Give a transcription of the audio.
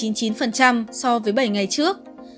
giảm một mươi chín chín mươi chín so với bảy ngày trước